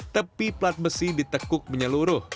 tepi pelat besi ditekuk menyeluruh